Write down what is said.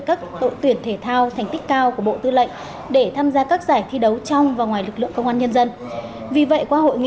các tội tuyển thể thao thành tích cao của bộ tư lệnh